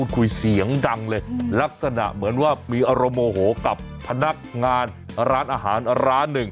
คุยเสียงดังเลยลักษณะเหมือนว่ามีอารมณ์โมโหกับพนักงานร้านอาหารร้านหนึ่ง